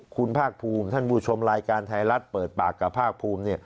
คุณภาคพูมคุณรายการไทยรัฐเปิดปากกับภาคพูม